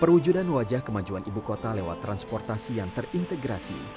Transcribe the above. perwujudan wajah kemajuan ibu kota lewat transportasi yang terintegrasi